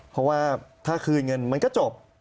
เพราะว่าถ้าคืนเงินมันก็จบ